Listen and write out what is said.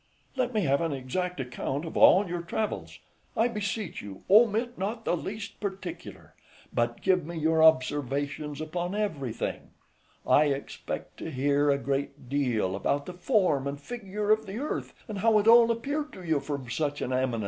Let me have an exact account of all your travels, I beseech you, omit not the least particular, but give me your observations upon everything; I expect to hear a great deal about the form and figure of the earth, and how it all appeared to you from such an eminence.